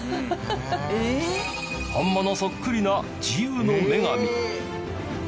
本物そっくりな自由の女神。